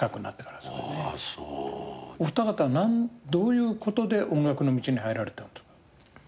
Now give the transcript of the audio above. お二方はどういうことで音楽の道に入られた？